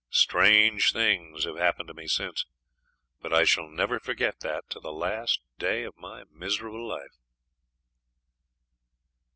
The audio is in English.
Strange things have happened to me since, but I shall never forget that to the last day of my miserable life.